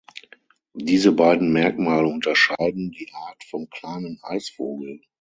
Diese beiden Merkmale unterscheiden die Art vom Kleinen Eisvogel.